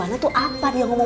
gegen yang diharamkan